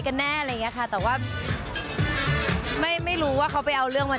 ก็ก็ไม่รู้เรื่อง